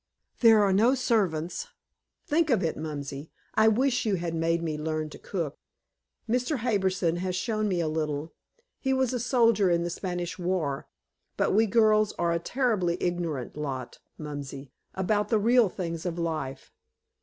There are no servants think of it, Mumsy. I wish you had made me learn to cook. Mr. Harbison has shown me a little he was a soldier in the Spanish War but we girls are a terribly ignorant lot, Mumsy, about the real things of life.